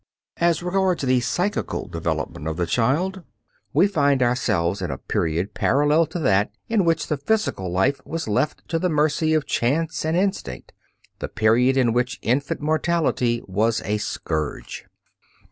As regards the psychical development of the child we find ourselves in a period parallel to that in which the physical life was left to the mercy of chance and instinct the period in which infant mortality was a scourge.